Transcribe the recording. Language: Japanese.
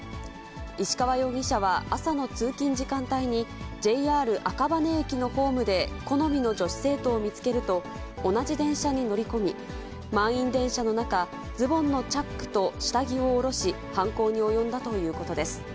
石川容疑者は朝の通勤時間帯に、ＪＲ赤羽駅のホームで好みの女子生徒を見つけると、同じ電車に乗り込み、満員電車の中、ズボンのチャックと下着を下ろし、犯行に及んだということです。